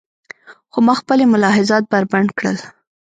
خو ما خپلې ملاحظات بربنډ کړل.